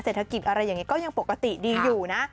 เศรษฐกิจอะไรอย่างนี้ก็ยังปกติดีอยู่นะ